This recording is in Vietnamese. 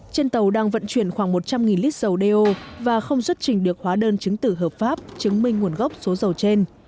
trên tàu đang vận chuyển khoảng một trăm linh lít dầu đeo và không xuất trình được hóa đơn chứng tử hợp pháp chứng minh nguồn gốc số dầu trên